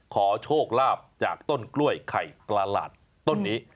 ขอโชคลาภจากต้นกล้วยไข่ประหลาดต้นนี้